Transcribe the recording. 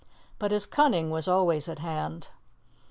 But his cunning was always at hand.